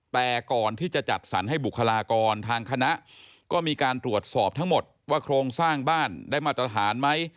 แต่ก่อนที่จะจัดสรรให้บุคลากรทางคณะก็มีการตรวจสอบทั้งหมดว่าโครงสร้างบ้านได้มาตรฐานไหม